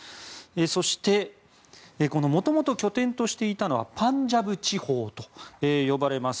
そしてもともと拠点としていたのはパンジャブ地方と呼ばれます